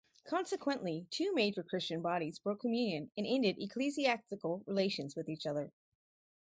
Consequently, two major Christian bodies broke communion and ended ecclesiastical relations with each other.